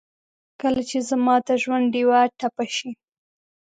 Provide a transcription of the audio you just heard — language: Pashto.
کله چې زما دژوندډېوه ټپه شي